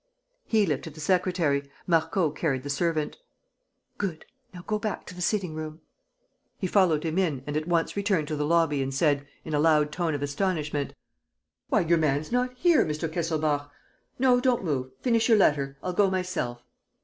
He lifted the secretary. Marco carried the servant. "Good! Now go back to the sitting room." He followed him in and at once returned to the lobby and said, in a loud tone of astonishment: "Why, your man's not here, Mr. Kesselbach. ... No, don't move ... finish your letter. ... I'll go myself."